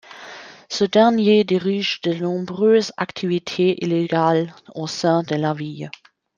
Ce dernier dirige de nombreuses activités illégales au sein de la ville.